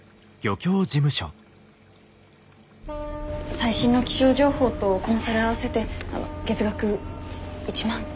最新の気象情報とコンサル合わせて月額１万。